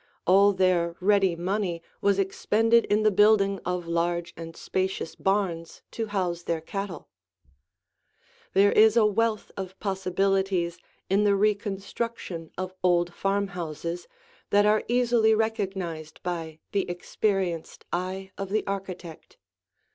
All their ready money was expended in the building of large and spacious barns to house their cattle. There is a wealth of possibilities in the reconstruction of old farmhouses that are easily recognized by the experienced eye of the architect.